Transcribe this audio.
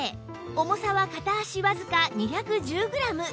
重さは片足わずか２１０グラム